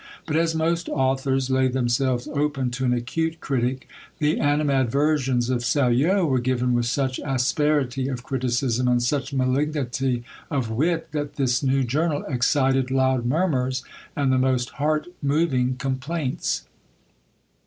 But as most authors lay themselves open to an acute critic, the animadversions of SALLO were given with such asperity of criticism, and such malignity of wit, that this new journal excited loud murmurs, and the most heart moving complaints.